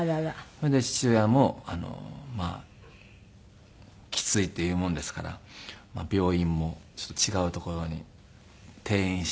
それで父親もまあきついって言うもんですから病院も違うところに転院して。